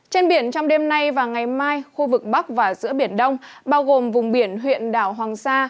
trên biển trong đêm nay và ngày mai khu vực bắc và giữa biển đông bao gồm vùng biển huyện đảo hoàng sa